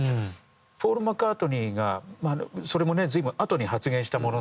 ポール・マッカートニーがそれもね随分あとに発言したものなんですけどね